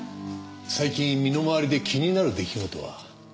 最近身の周りで気になる出来事は？